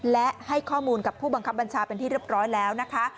และให้ข้อมูลกับผู้บังคับบัญชาเป็นที่เรียบร้อยแล้วนะคะ